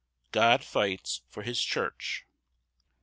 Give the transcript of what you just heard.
God fights for his church.